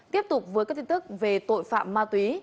tiếp tục với các tin tức về tội phạm ma túy